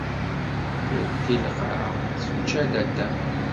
Teldi lqaɛa, tečča Datan.